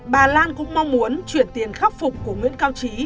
bà lan cũng mong muốn chuyển tiền khắc phục của nguyễn cao trí